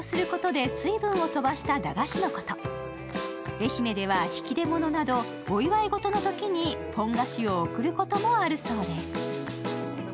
愛媛では引き出物などお祝いのときにポン菓子を贈ることもあるそうです。